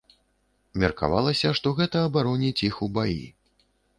Меркавалася, што гэта абароніць іх у баі.